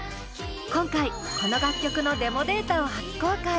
今回この楽曲のデモデータを初公開！